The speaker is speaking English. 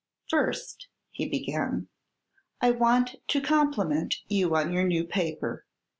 "First," he began, "I want to compliment you on your new paper.